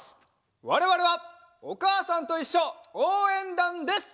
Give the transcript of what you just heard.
われわれは「おかあさんといっしょおうえんだん」です！